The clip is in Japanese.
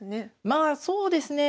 まあそうですね